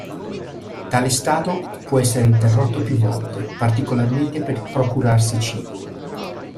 Tale stato può essere interrotto più volte, particolarmente per procurarsi cibo.